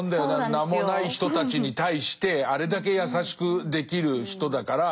名もない人たちに対してあれだけ優しくできる人だから。